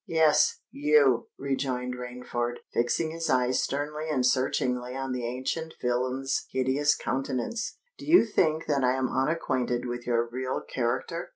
"Yes—you," rejoined Rainford, fixing his eyes sternly and searchingly on the ancient villain's hideous countenance. "Do you think that I am unacquainted with your real character?